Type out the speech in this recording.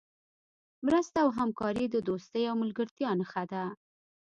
مرسته او همکاري د دوستۍ او ملګرتیا نښه ده.